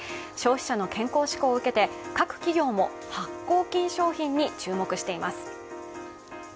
消費者の健康志向を受けて、各企業も発酵菌商品に注目しています。